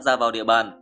ra vào địa bàn